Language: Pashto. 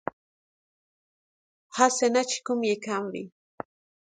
هسې نه چې کوم يې کم وي